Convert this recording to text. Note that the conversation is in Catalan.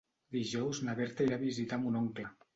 Dijous na Berta irà a visitar mon oncle.